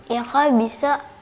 ya kak bisa